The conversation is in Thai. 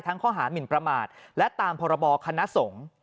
ทั้งข้อหาหมินประมาทและตามพบคณะสงศ์